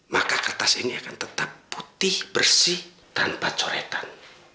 maka kertas ini akan tetap putih bersih tanpa coretan